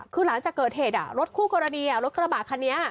คือหลังจากเกิดเหตุรถคู่กรณีรถกระบะคันนี้